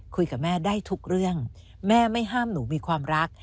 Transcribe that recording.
คุยกับแม่ได้ทุกเรื่องแม่ไม่ห้ามหนูมีความรัก